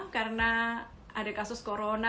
karena ada kasus corona